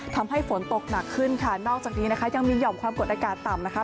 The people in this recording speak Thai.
ทำให้ฝนตกหนักขึ้นค่ะนอกจากนี้นะคะยังมีห่อมความกดอากาศต่ำนะคะ